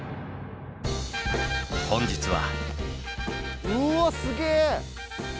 本日は。